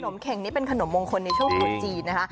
เข่งนี้เป็นขนมมงคลในช่วงตรุษจีนนะคะ